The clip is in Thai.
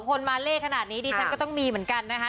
คนมาเล่ขนาดนี้ดิฉันก็ต้องมีเหมือนกันนะคะ